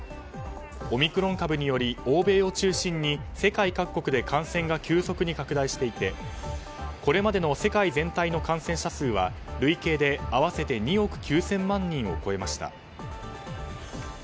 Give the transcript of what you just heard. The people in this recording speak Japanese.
オミクロン株により欧米を中心に世界各国で感染が急速に拡大していてこれまでの世界全体の感染者数は累計で合わせて２億９０００万人を超えました。